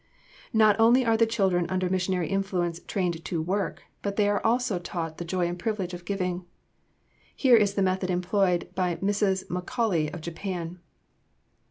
] Not only are the children under missionary influence trained to work, but they are also taught the joy and privilege of giving. Here is the method employed by Mrs. McCauley of Japan.